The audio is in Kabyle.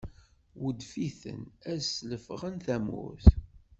Weddef-iten ad slefɣen tamurt.